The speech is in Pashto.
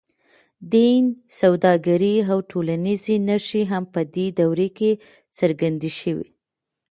دین، سوداګري او ټولنیزې نښې هم په دې دوره کې څرګندې شوې.